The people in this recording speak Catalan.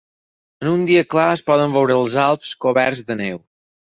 En un dia clar es poden veure els Alps coberts de neu.